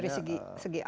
dari segi akuntabilitas